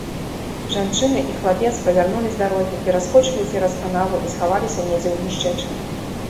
Жанчыны і хлапец павярнулі з дарогі, пераскочылі цераз канаву і схаваліся недзе ў гушчэчы.